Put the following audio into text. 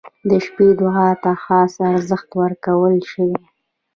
• د شپې دعا ته خاص ارزښت ورکړل شوی.